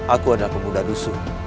aku adalah pemuda dusu